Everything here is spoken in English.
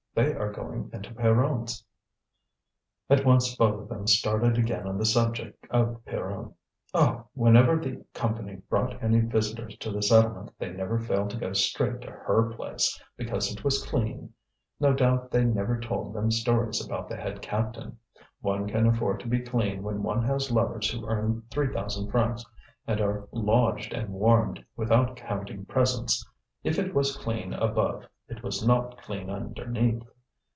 They are going into Pierronne's." At once both of them started again on the subject of Pierronne. Oh! whenever the Company brought any visitors to the settlement they never failed to go straight to her place, because it was clean. No doubt they never told them stories about the head captain. One can afford to be clean when one has lovers who earn three thousand francs, and are lodged and warmed, without counting presents. If it was clean above it was not clean underneath.